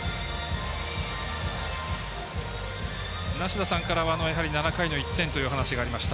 梨田さんからは７回の１点という話がありました。